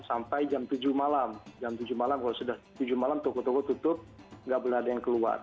sampai jam tujuh malam jam tujuh malam kalau sudah tujuh malam toko toko tutup nggak boleh ada yang keluar